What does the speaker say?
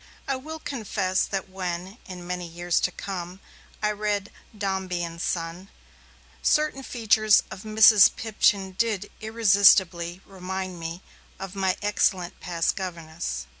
I will confess that when, in years to come, I read 'Dombey and Son', certain features of Mrs. Pipchin did irresistibly remind me of my excellent past governess.